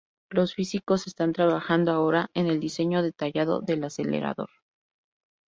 Los físicos están trabajando ahora en el diseño detallado del acelerador.